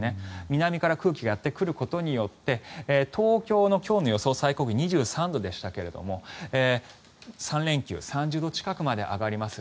南から空気がやってくることによって東京の今日の予想最高気温２３度でしたけれども３連休、３０度近くまで上がります。